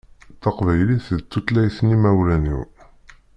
Taqbaylit d tutlayt n imawlan-iw.